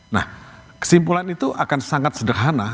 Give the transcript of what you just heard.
nah kesimpulan itu akan sangat sederhana